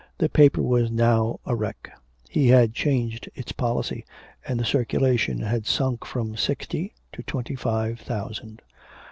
The paper was now a wreck. He had changed its policy, and the circulation had sunk from sixty to twenty five thousand.